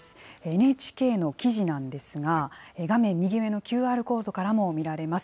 ＮＨＫの記事なんですが、画面右上のＱＲコードからも見られます。